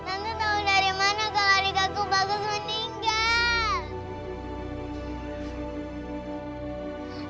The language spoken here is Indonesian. tante tahu dari mana kalau adik aku bagus meninggal